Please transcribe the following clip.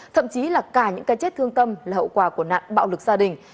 thậm chí là cả những cái chết thương tâm là hậu quả của nạn bạo lực gia đình